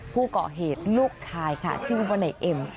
ผู้เกาะเหตุลูกชายค่ะชื่อวันไหนเอ็ม